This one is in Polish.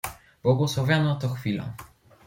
"Błogosławiona to chwila!"